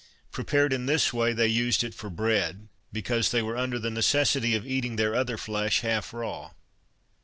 Prepared in this way, they used it for bread, because they were under the necessity of eating their other flesh half raw.